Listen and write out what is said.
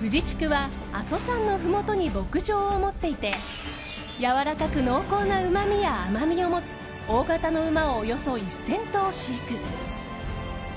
フジチクは阿蘇山のふもとに牧場を持っていてやわらかく濃厚なうまみや甘みを持つ大型の馬をおよそ１０００頭飼育。